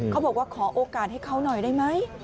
เขาบอกว่าขอโอกาสให้เขาหน่อยได้ไหม